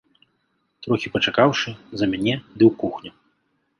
Трохі пачакаўшы, за мяне ды ў кухню.